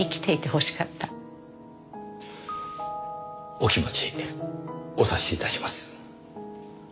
お気持ちお察し致します。